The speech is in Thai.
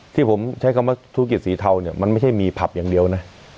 ที่ผมใช้คำว่าธุรกิจสีเทาเนี่ยมันไม่ใช่มีผับอย่างเดียวนะ